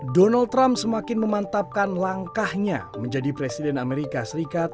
donald trump semakin memantapkan langkahnya menjadi presiden amerika serikat